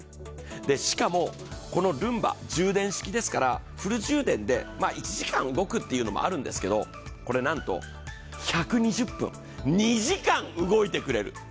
しかも、このルンバ充電式ですからフル充電で１時間動くというのもあるんですけど、これ、なんと１２０分、２時間動いてくれる。